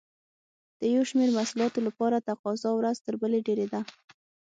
د یو شمېر محصولاتو لپاره تقاضا ورځ تر بلې ډېرېده.